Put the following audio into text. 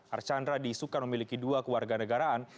archandra diisukan memiliki dua keluarga negaraan